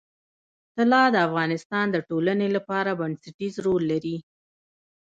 طلا د افغانستان د ټولنې لپاره بنسټيز رول لري.